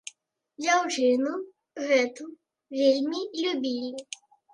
Дзяўчыну гэту вельмі любілі.